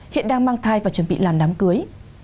hiện đang mang thai và chuẩn bị làm đám cưới